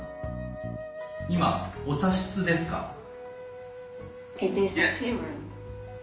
今お茶室ですか？